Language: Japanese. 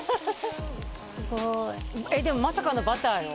えっでもまさかのバターよ